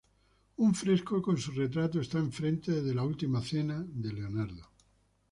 Un fresco con su retrato está enfrente de "La última cena", de Leonardo.